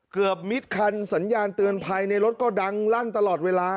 เกือบมิดคันสัญญาณเตือนภัยในรถก็ดังลั่นตลอดเวลา